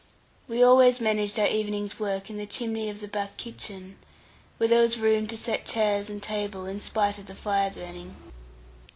We always managed our evening's work in the chimney of the back kitchen, where there was room to set chairs and table, in spite of the fire burning.